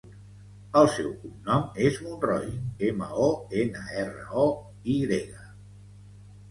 El seu cognom és Monroy: ema, o, ena, erra, o, i grega.